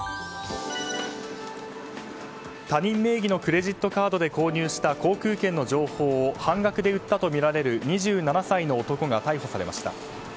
他人名義のクレジットカードで購入した航空券の情報を半額で売ったとみられる２７歳の男が逮捕されました。